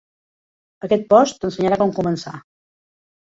Aquest post t'ensenyarà com començar.